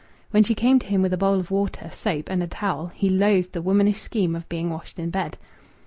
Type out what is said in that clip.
When she came to him with a bowl of water, soap, and a towel, he loathed the womanish scheme of being washed in bed.